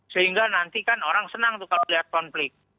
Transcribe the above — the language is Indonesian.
sehingga nanti kan orang senang tuh kalau lihat konflik